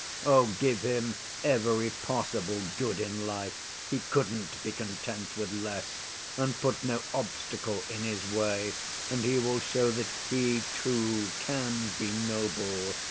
Oh, give him every possible good in life (he couldn't be content with less), and put no obstacle in his way, and he will show that he, too, can be noble.